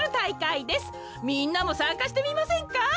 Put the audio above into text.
みんなもさんかしてみませんか？